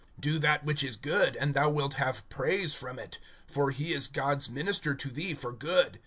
Do that which is good, and thou wilt have praise from it; (4)for he is God's minister to thee for good.